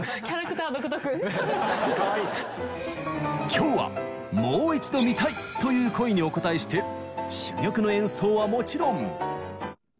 今日はもう一度見たい！という声にお応えして珠玉の演奏はもちろん。